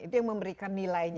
itu yang memberikan nilainya